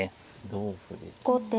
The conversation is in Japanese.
同歩で。